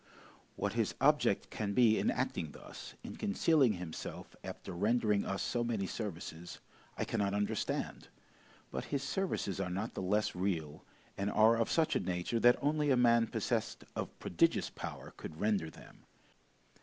What his object can be in acting thus, in concealing himself after rendering us so many services, I cannot understand: But his services are not the less real, and are of such a nature that only a man possessed of prodigious power, could render them.